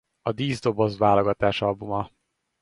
A díszdoboz válogatásalbuma.